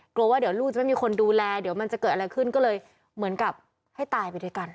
กลัวว่าเดี๋ยวลูกจะไม่มีคนดูแลเดี๋ยวมันจะเกิดอะไรขึ้นก็เลยเหมือนกับให้ตายไปด้วยกัน